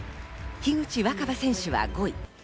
樋口新葉選手は５位。